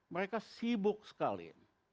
mereka sibuk sekali